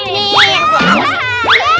nih aku amat